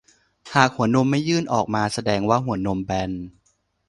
หากหัวนมไม่ยื่นออกมาแสดงว่าหัวนมแบน